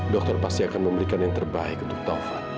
dokter pasti akan memberikan yang terbaik untuk taufan